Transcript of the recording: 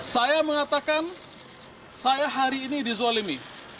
saya mengatakan saya hari ini dizolimi